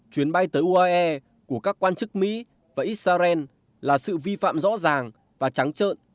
chuyến bay tới uae của các quan chức mỹ và israel là sự vi phạm rõ ràng và trắng trợn